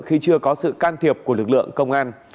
khi chưa có sự can thiệp của lực lượng công an